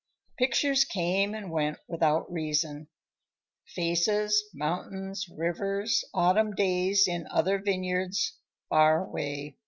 Pictures came and went without reason. Faces, mountains, rivers, autumn days in other vineyards far away.